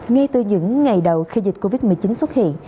ngay từ những ngày đầu khi dịch covid một mươi chín xuất hiện